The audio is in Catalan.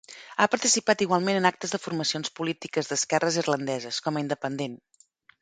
Ha participat igualment en actes de formacions polítiques d'esquerra irlandeses, com a independent.